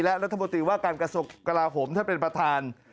และรัฐบนตรีว่าการกระสกกระลาฝมถ้าเป็นประธาน